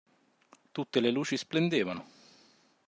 Tutte le luci splendevano.